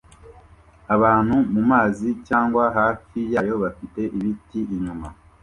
Abantu mumazi cyangwa hafi yayo bafite ibiti inyuma